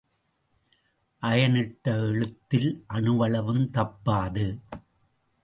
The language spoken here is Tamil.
அயன் இட்ட எழுத்தில் அணுவளவும் தப்பாது.